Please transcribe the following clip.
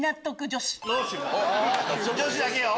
女子だけよ！